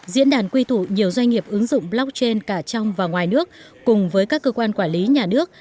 diễn đàn quy tụ nhiều doanh nghiệp ứng dụng blockchain cả trong và ngoài nước cùng với các cơ quan quản lý nhà nước